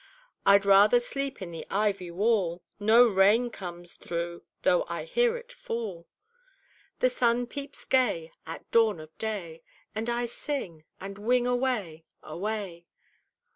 "I'd rather sleep in the ivy wall; No rain comes through, tho' I hear it fall; The sun peeps gay at dawn of day, And I sing, and wing away, away!"